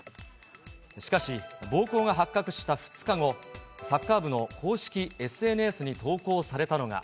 しかし、暴行が発覚した２日後、サッカー部の公式ＳＮＳに投稿されたのが。